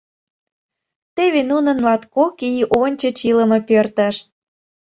Теве нунын латкок ий ончыч илыме пӧртышт.